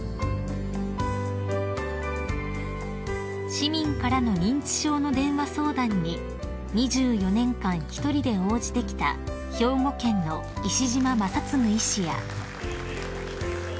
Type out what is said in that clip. ［市民からの認知症の電話相談に２４年間一人で応じてきた兵庫県の石島正嗣医師や］